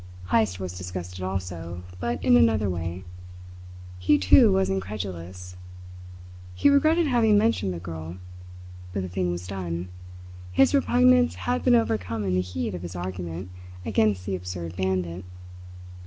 Heyst was disgusted also, but in another way. He too was incredulous. He regretted having mentioned the girl; but the thing was done, his repugnance had been overcome in the heat of his argument against the absurd bandit.